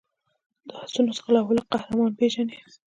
د آسونو ځغلولو قهرمان پېژني.